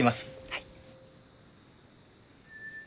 はい。